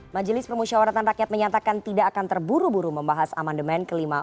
majelis pemusyawaratan rakyat menyatakan tidak akan terburu buru membahas amendement kelima